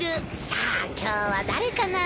さあ今日は誰かな？